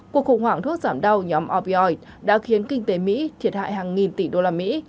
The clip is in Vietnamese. cuộc khủng hoảng thuốc giảm đau nhóm opioid đã khiến kinh tế mỹ thiệt hại hàng nghìn tỷ usd